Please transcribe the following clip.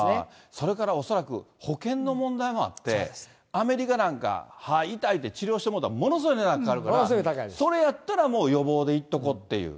それから恐らく保険の問題もあって、アメリカなんか、歯痛いって、治療してもらったら、ものすごいお金かかるから、それやったらもう予防で行っておこうっていう。